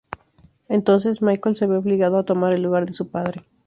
Entonces Michael se ve obligado a tomar el lugar de su padre.